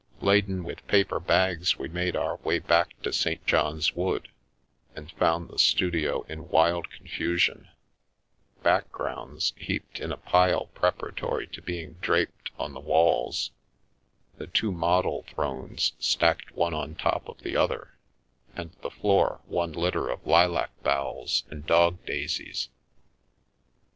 Laden with paper bags we made our way back to St. John's Wood, and found the studio in wild con fusion —" backgrounds " heaped in a pile preparatory to being draped on the walls, the two model thrones stacked one on top of the other, and the floor one litter of lilac boughs and dog daisies.